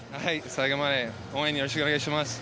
最後まで応援よろしくお願いします。